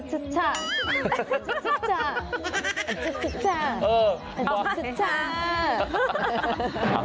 สุดชะ